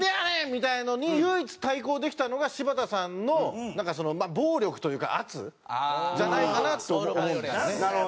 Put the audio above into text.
みたいなのに唯一対抗できたのが柴田さんの暴力というか圧じゃないかなと思うんです。